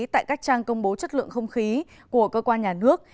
tại các trang công bố chất lượng không khí của cơ quan nhà nước